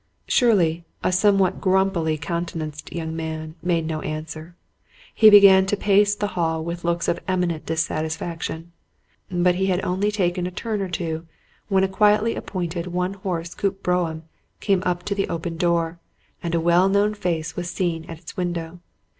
Shirley, a somewhat grumpy countenanced young man, made no answer. He began to pace the hall with looks of eminent dissatisfaction. But he had only taken a turn or two when a quietly appointed one horse coupé brougham came up to the open door, and a well known face was seen at its window.